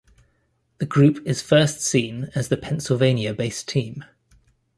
The group is first seen as the Pennsylvania-based team.